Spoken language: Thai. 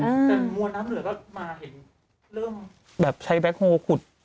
แต่มวลน้ำเหลือก็มาเห็นเริ่มแบบใช้แบ็คโฮลขุด